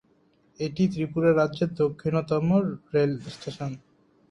এটি ত্রিপুরা রাজ্যের দক্ষিণতম রেল স্টেশন।